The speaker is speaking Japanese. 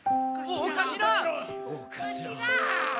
おかしら！